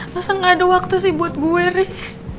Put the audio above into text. masa nggak ada waktu sih buat gue rik